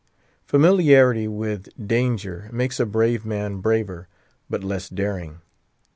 Familiarity with danger makes a brave man braver, but less daring.